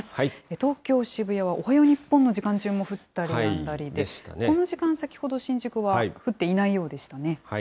東京・渋谷はおはよう日本の時間中も降ったりやんだりで、この時間、先ほど新宿は降っていないようでしたね。